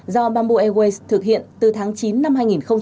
do bamboo airways thực hiện từ tháng chín năm hai nghìn hai mươi